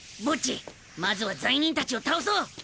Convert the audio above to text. ボッジまずは罪人たちを倒そう。